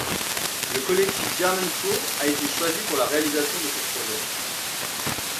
Le collectif Germen Crew, a été choisi pour la réalisation de ce projet.